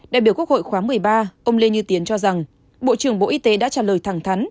đại biểu quốc hội khóa một mươi ba ông lê như tiến cho rằng bộ trưởng bộ y tế đã trả lời thẳng thắn